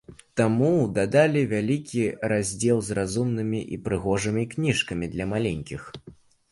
Таму дадалі вялікі раздзел з разумнымі і прыгожымі кніжкамі для маленькіх.